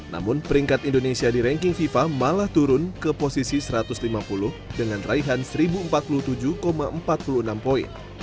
namun peringkat indonesia di ranking fifa malah turun ke posisi satu ratus lima puluh dengan raihan seribu empat puluh tujuh empat puluh enam poin